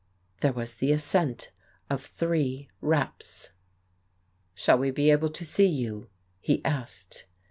" There was the assent of three raps. "Shall we be able to see you?" he asked.